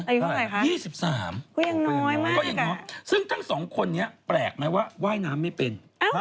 อายุเท่าไหร่ครับยี่สิบสามก็ยังน้อยมากซึ่งทั้งสองคนนี้แปลกไหมว่าว่าว่ายน้ำไม่เป็น